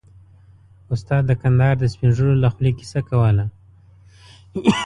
استاد د کندهار د سپين ږيرو له خولې کيسه کوله.